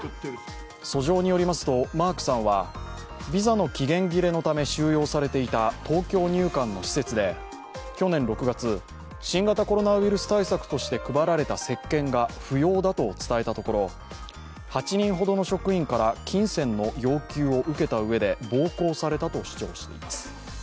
訴状によりますと、マークさんはビザの期限切れのため収容されていた東京入管の施設で去年６月、新型コロナウイルス対策として配られたせっけんが不要だと伝えたところ８人ほどの職員から金銭の要求を受けたうえで暴行をされたと主張しています。